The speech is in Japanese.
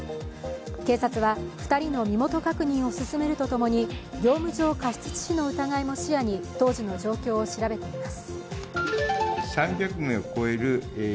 警察は２人の身元確認を進めるとともに、業務上過失致死の疑いも視野に当時の状況を調べています。